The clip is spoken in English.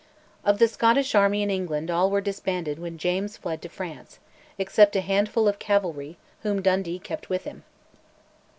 Of the Scottish army in England all were disbanded when James fled to France, except a handful of cavalry, whom Dundee kept with him.